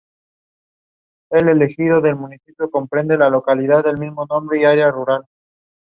All compositions by Jeff Ballard except where noted